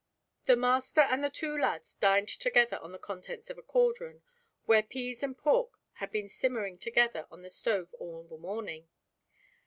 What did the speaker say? The master and the two lads dined together on the contents of a cauldron, where pease and pork had been simmering together on the stove all the morning.